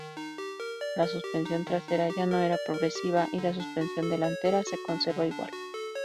La suspensión trasera ya no era progresiva y la suspensión delantera se conservaba igual.